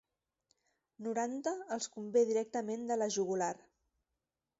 Noranta els convé directament de la jugular.